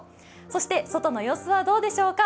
そして外の様子はどうでしょうか。